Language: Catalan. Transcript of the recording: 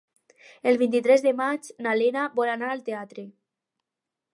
El vint-i-tres de maig na Lena vol anar al teatre.